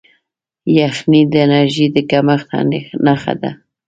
یخني د انرژۍ د کمښت نښه ده.